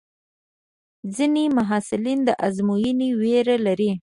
ځینې محصلین د ازموینې وېره لري.